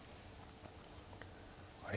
あれ？